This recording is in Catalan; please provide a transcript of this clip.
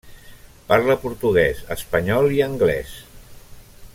Parla portuguès, espanyol i anglès.